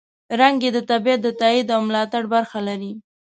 رنګ یې د طبیعت د تاييد او ملاتړ برخه لري.